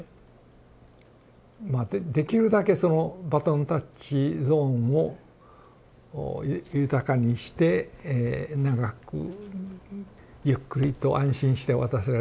できるだけそのバトンタッチゾーンを豊かにして長くゆっくりと安心して渡せられればいいなと思ってますけどね。